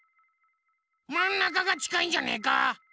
まんなかがちかいんじゃねえか？